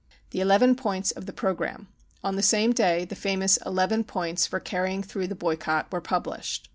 The Eleven Points of tiie Programme. On the same day the famous eleven points for carrying through the boy cott were published.